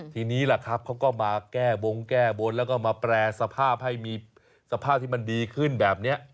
ทีนี้ล่ะครับเขาก็มาแก้บงแก้บนแล้วก็มาแปรสภาพให้มีสภาพที่มันดีขึ้นแบบนี้